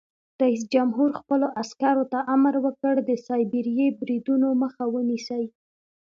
رئیس جمهور خپلو عسکرو ته امر وکړ؛ د سایبري بریدونو مخه ونیسئ!